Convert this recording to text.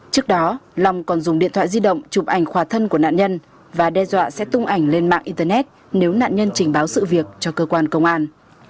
trước đó long còn dùng điện thoại di động chụp ảnh khỏa thân của nạn nhân và đe dọa sẽ tung ảnh lên mạng internet nếu nạn nhân trình báo sự việc cho cơ quan công an